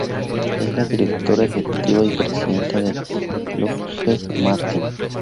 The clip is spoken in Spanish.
Es la directora ejecutiva y presidenta de Lockheed Martin.